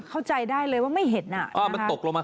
เข้าใจได้เลยว่าไม่เห็นอ่ะอ่ามันตกลงมา